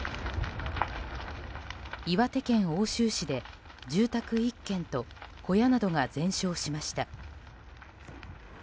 岩手県奥州市で住宅１軒と小屋などが全焼しました。